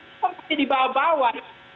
ini masih dibawa bawa